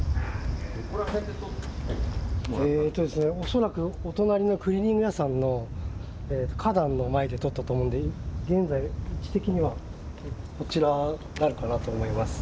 恐らくお隣のクリーニング屋さんの花壇の前で撮ったと思うんで現在位置的にはこちらになるかなと思います。